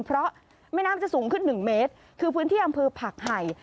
เพราะแม่น้ำจะสูงขึ้นหนึ่งเมตรคือพื้นที่อำเภอผักไห่